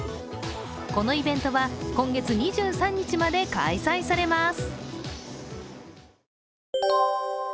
このイベントは今月２３日まで開催されます。